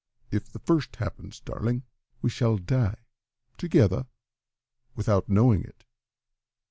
"If the first happens, darling, we shall die together without knowing it.